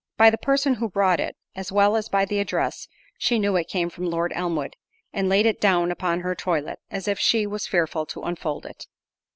By the person who brought it, as well as by the address, she knew it came from Lord Elmwood, and laid it down upon her toilet, as if she was fearful to unfold it.